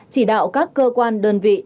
chỉ đạo các cơ quan đơn vị